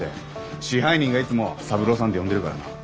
支配人がいつも三郎さんって呼んでるからな。